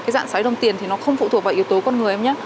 dạng xoáy đồng tiền không phụ thuộc vào yếu tố con người